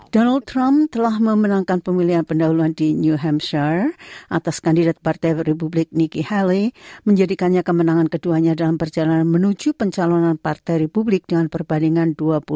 donald trump telah memenangkan pemilihan pendahuluan di new hampshire atas kandidat partai republik nikki haley menjadikannya kemenangan keduanya dalam perjalanan menuju pencalonan partai republik dengan perbandingan dua puluh dua puluh empat